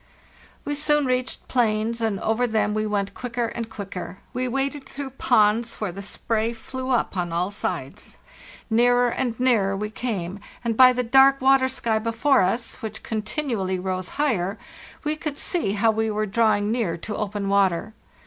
"We soon reached plains, and over them we went quicker and quicker. We waded through ponds where the spray flew up on all sides. Nearer and nearer we came, and by the dark water sky before us, which con tinually rose higher, we could see how we were drawing LAND AT LAST Qn Ww ut near to open water.